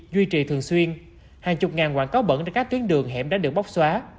duy trì thường xuyên hàng chục ngàn quảng cáo bẩn trên các tuyến đường hẻm đã được bóc xóa